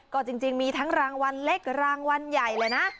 ก็จริงมีทั้งรางวัลเล็กรางวัลใหญ่เลยนะ